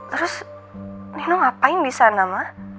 terus nino ngapain di sana ma